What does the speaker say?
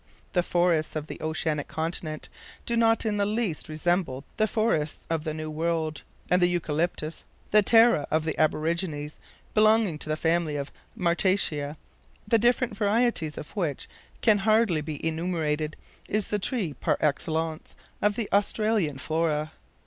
The forests of the Oceanic continent do not in the least resemble the forests of the New World; and the Eucalyptus, the "Tara" of the aborigines, belonging to the family of MYRTACEA, the different varieties of which can hardly be enumerated, is the tree par excellence of the Australian flora.